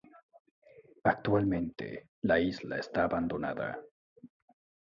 Actualmente, la isla está abandonada.